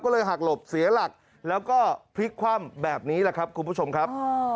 ก็เลยหักหลบเสียหลักแล้วก็พลิกคว่ำแบบนี้แหละครับคุณผู้ชมครับ